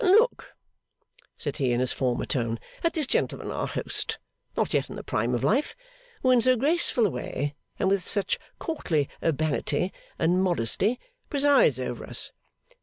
'Look,' said he, in his former tone, 'at this gentleman our host, not yet in the prime of life, who in so graceful a way and with such courtly urbanity and modesty presides over us!